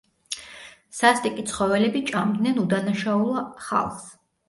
სასტიკი ცხოველები ჭამდნენ უდანაშაულო ხალხს.